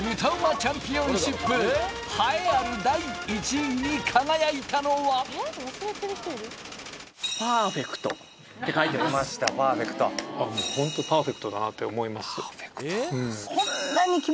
チャンピオンシップ栄えある第１位に輝いたのはホントパーフェクトだなって思います